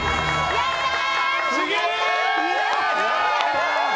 やったー！